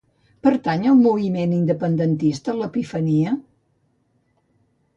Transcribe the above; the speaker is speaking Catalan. Pertany al moviment independentista l'Epifania?